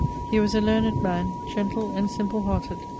He was a learned man, gentle and simple hearted.